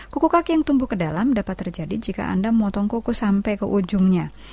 kuku kaki yang tumbuh ke dalam dapat terjadi jika anda memotong kuku sampai ke ujungnya